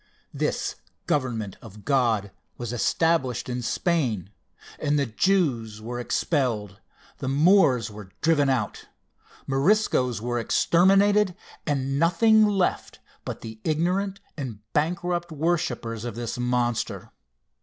This government of God was established in Spain, and the Jews were expelled, the Moors were driven out, Moriscoes were exterminated, and nothing left but the ignorant and bankrupt worshipers of this monster.